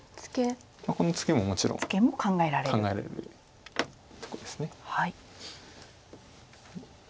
このツケももちろん考えられるとこです。